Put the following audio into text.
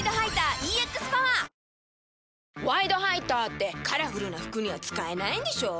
「ワイドハイター」ってカラフルな服には使えないんでしょ？